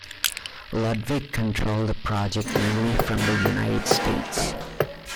Ludwig controlled the project mainly from the United States.